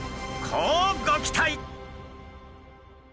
こうご期待！